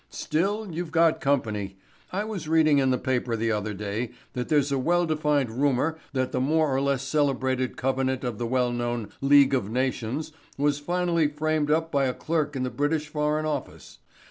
Still you've got company. I was reading in the paper the other day that there's a well defined rumor that the more or less celebrated covenant of the well known League of Nations was finally framed up by a clerk in the British foreign office.